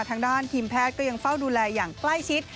ทางด้านทีมแพทย์ก็ยังเฝ้าดูแลอย่างใกล้ชิด